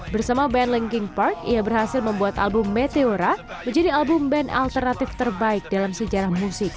bersama band lanking park ia berhasil membuat album meteora menjadi album band alternatif terbaik dalam sejarah musik